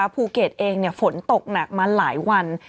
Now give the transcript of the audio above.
พูเกดเองฝนตกมาหลายวัน